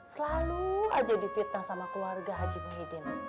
selalu aja difitnah sama keluarga haji muhyiddin